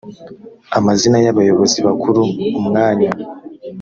amazina y abayobozi bakuru umwanya